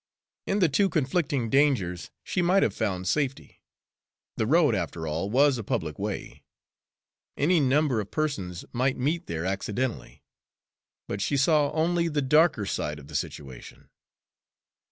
In the two conflicting dangers she might have found safety. The road after all was a public way. Any number of persons might meet there accidentally. But she saw only the darker side of the situation.